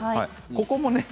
ここもね